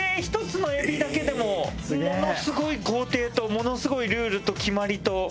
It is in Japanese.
１つのエビだけでもものすごい工程とものすごいルールと決まりと。